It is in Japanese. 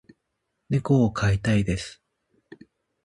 猫を飼いたいです。